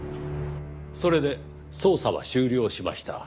それで捜査は終了しました。